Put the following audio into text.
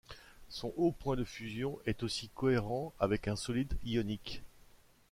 Son haut point de fusion est aussi cohérent avec un solide ionique.